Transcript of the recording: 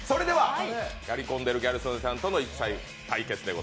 やりこんでるギャル曽根さんとの対決です。